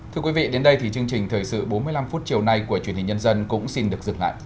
thưa quý vị đến đây thì chương trình thời sự bốn mươi năm phút chiều nay của truyền hình nhân dân cũng xin được dừng lại